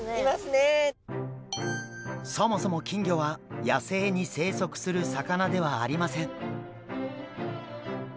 そもそも金魚は野生に生息する魚ではありません。